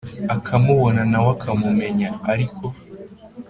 akamubona na we akamumenya, ariko